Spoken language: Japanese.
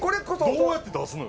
どうやって出すのよ？